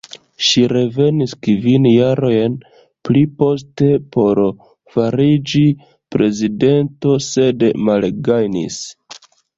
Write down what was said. Ŝi revenis kvin jarojn pliposte por fariĝi prezidento sed malgajnis.